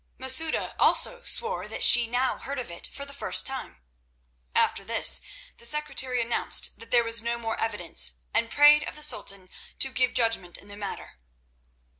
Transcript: Masouda also swore that she now heard of it for the first time. After this the secretary announced that there was no more evidence, and prayed of the Sultan to give judgment in the matter.